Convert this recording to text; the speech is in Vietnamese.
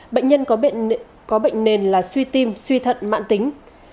bệnh nhân có bệnh nền là suy tim suy thận mạng tính